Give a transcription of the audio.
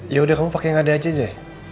yaudah kamu pake yang ada aja deh